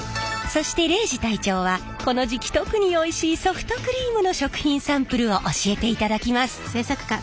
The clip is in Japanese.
そして礼二隊長はこの時期特においしいソフトクリームの食品サンプルを教えていただきます。